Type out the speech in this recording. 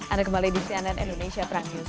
anda kembali di cnn indonesia prime news